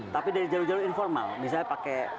tapi dari jalur jalur informal misalnya pakai